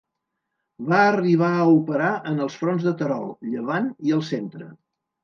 Va arribar a operar en els fronts de Terol, Llevant i el Centre.